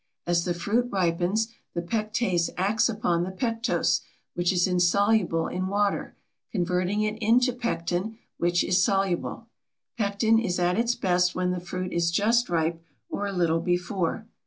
As the fruit ripens the pectase acts upon the pectose, which is insoluble in water, converting it into pectin, which is soluble. Pectin is at its best when the fruit is just ripe or a little before.